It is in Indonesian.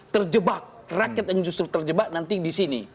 terjebak rakyat yang justru terjebak nanti disini